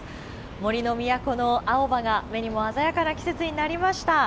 杜の都の青葉が目にも鮮やかな季節になりました。